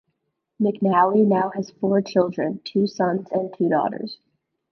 McNally now has four children, two sons and two daughters.